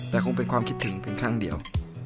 แต่คงเป็นความคิดถึงเป็นครั้งเดียว